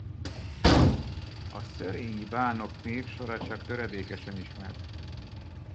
A szörényi bánok névsora csak töredékesen ismert.